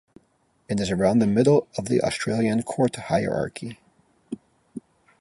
It is around the middle of the Australian court hierarchy.